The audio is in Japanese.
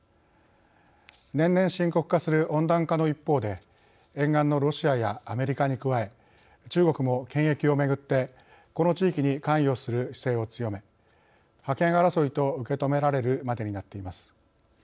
年々深刻化する温暖化の一方で沿岸のロシアやアメリカに加え中国も権益をめぐってこの地域に関与する姿勢を強め覇権争いと受け止められるまでになっています。